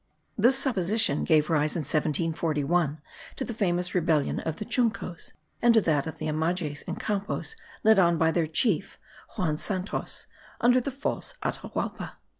This supposition gave rise in 1741 to the famous rebellion of the Chuncoes, and to that of the Amages and Campoes led on by their chief, Juan Santos, called the false Atahualpa.